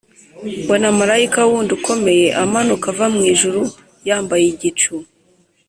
Mbona marayika wundi ukomeye amanuka ava mu ijuru yambaye igicu,